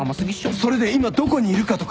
それで今どこにいるかとか。